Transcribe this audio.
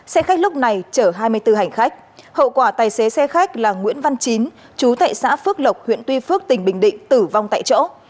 xe khách lúc này chở hai mươi bốn hành khách hậu quả tài xế xe khách là nguyễn văn chín chú tại xã phước lộc huyện tuy phước tỉnh bình định tử vong tại chỗ